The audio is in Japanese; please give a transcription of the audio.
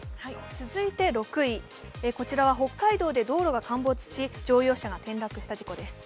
続いて６位、北海道で道路が陥没し、乗用車が転落した事故です